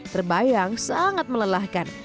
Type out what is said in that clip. terbayang sangat melelahkan